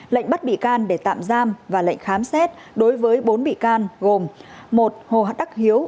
lệnh bắt bị can để tạm giam và lệnh khám xét đối với bốn bị can gồm một hồ đắc hiếu